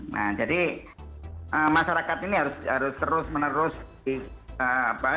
nah jadi masyarakat ini harus terus meneruskan